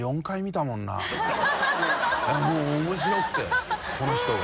いもう面白くてこの人が。